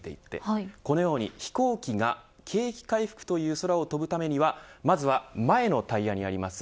このように、飛行機が景気回復という空を飛ぶためにはまずは、前のタイヤにあります